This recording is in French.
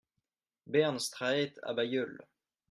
Bern Straete à Bailleul